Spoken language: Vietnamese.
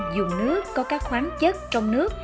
dùng nước có các khoáng chất trong nước